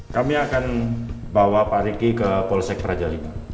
kami akan bawa pak riki ke polsek praja lima